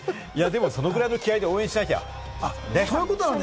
それぐらいの気合で応援しなきゃ。